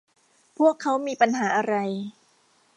พวกเค้ามีปัญหาอะไร